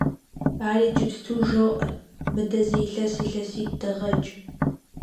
Ар иджыпсту жоӀэр, мыдэ зы илъэс-илъэситӀ дэгъэкӀ.